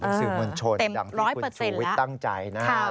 ดังที่คุณชูวิทรตั้งใจนะครับ